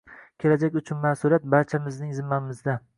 kelajak uchun mas’uliyat – barchamizning zimmamizda!